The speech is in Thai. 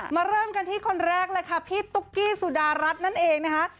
เริ่มกันที่คนแรกเลยค่ะพี่ตุ๊กกี้สุดารัฐนั่นเองนะคะ